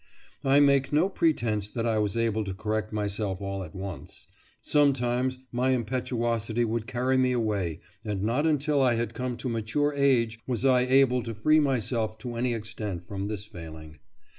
I make no pretence that I was able to correct myself all at once. Sometimes my impetuosity would carry me away, and not until I had come to mature age was I able to free myself to any extent from this failing.